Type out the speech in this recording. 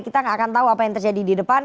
kita nggak akan tahu apa yang terjadi di depan